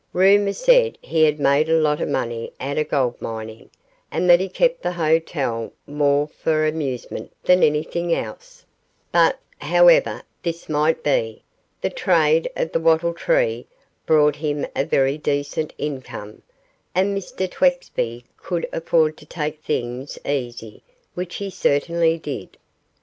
Rumour said he had made a lot of money out of gold mining, and that he kept the hotel more for amusement than anything else; but, however this might be, the trade of the Wattle Tree brought him in a very decent income, and Mr Twexby could afford to take things easy which he certainly did.